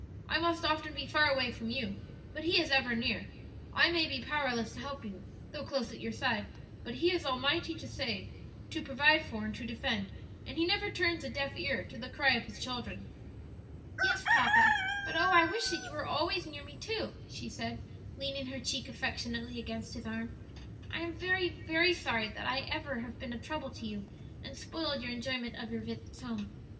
I must often be far away from you, but He is ever near; I may be powerless to help you, though close at your side, but He is almighty to save, to provide for, and to defend; and He never turns a deaf ear to the cry of His children." "Yes, papa; but oh I wish that you were always near me too," she said, leaning her cheek affectionately against his arm. "I am very, very sorry that ever I have been a trouble to you and spoiled your enjoyment of your visits home."